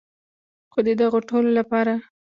خو د دغو ټولو لپاره.